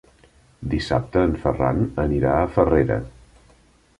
Dissabte en Ferran anirà a Farrera.